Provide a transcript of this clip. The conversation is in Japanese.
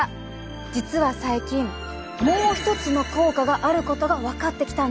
実は最近もう一つの効果があることが分かってきたんです。